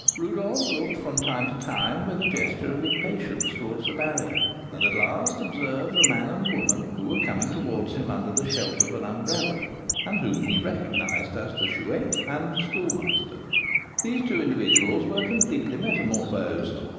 Rodolph looked from time to time, with a gesture of impatience, towards the barrier, and at last observed a man and woman, who were coming towards him under the shelter of an umbrella, and whom he recognised as the Chouette and the Schoolmaster. These two individuals were completely metamorphosed.